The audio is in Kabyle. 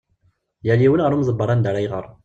Yal yiwen ɣer umdebber anda ara iɣer.